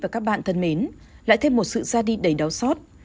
và các bạn thân mến lại thêm một sự ra đi đầy đau xót